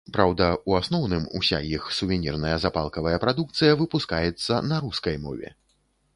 Праўда, у асноўным уся іх сувенірная запалкавая прадукцыя выпускаецца на рускай мове.